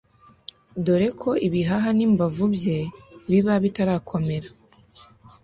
dore ko ibihaha n’imbavu bye biba bitarakomera